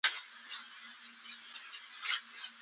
اشتراکي اړیکه د یو ډول اتومونو په منځ کې هم جوړیږي.